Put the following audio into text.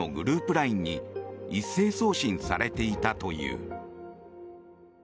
ＬＩＮＥに一斉送信されていたという。